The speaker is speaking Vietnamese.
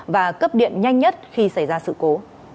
và cấp điện nhanh nhất khi xảy ra sự cố